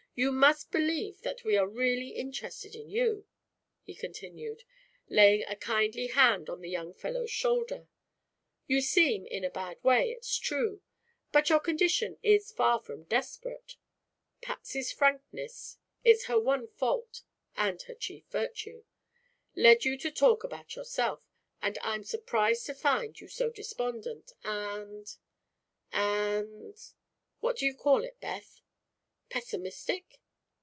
You must believe that we are really interested in you," he continued, laying a kindly hand on the young fellow's shoulder. "You seem in a bad way, it's true, but your condition is far from desperate. Patsy's frankness it's her one fault and her chief virtue led you to talk about yourself, and I'm surprised to find you so despondent and and what do you call it, Beth?" "Pessimistic?"